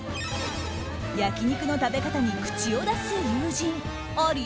焼肉の食べ方に口を出す友人あり？